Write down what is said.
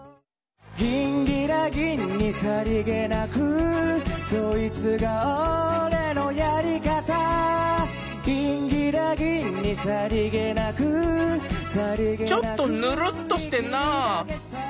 「ギンギラギンにさりげなく」「そいつが俺のやり方」「ギンギラギンにさりげなく」ちょっとヌルッとしてんなぁ。